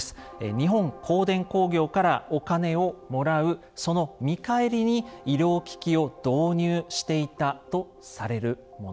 日本光電工業からお金をもらうその見返りに医療機器を導入していたとされるもの。